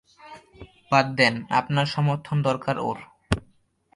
বাদ দেন, আপনার সমর্থন দরকার ওর।